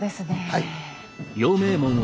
はい。